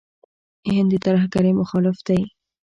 هند د ترهګرۍ مخالف دی.